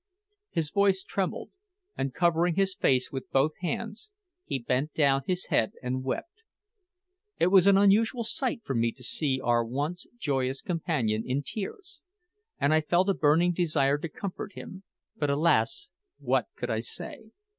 His voice trembled, and covering his face with both hands, he bent down his head and wept. It was an unusual sight for me to see our once joyous companion in tears, and I felt a burning desire to comfort him; but, alas! what could I say?